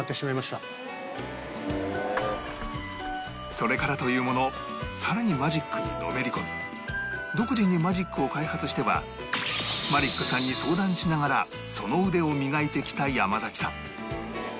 それからというもの更にマジックにのめり込み独自にマジックを開発してはマリックさんに相談しながらその腕を磨いてきた山さん